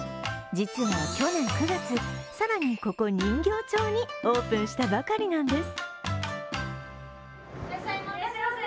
実は去年９月、更にここ人形町にオープンしたばかりなんです。